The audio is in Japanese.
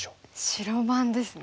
白番ですね。